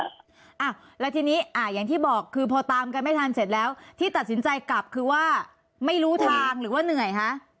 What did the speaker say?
อ้าวแล้วทีนี้อ่าอย่างที่บอกคือพอตามกันไม่ทันเสร็จแล้วที่ตัดสินใจกลับคือว่าไม่รู้ทางหรือว่าเหนื่อยคะ